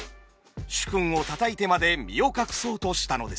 主君を叩いてまで身を隠そうとしたのです。